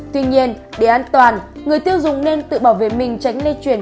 tuy nhiên để an toàn người tiêu dùng nên tự bảo vệ mình tránh lây chuyển